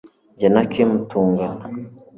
jye na kim tungana